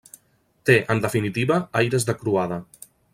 Té, en definitiva, aires de croada.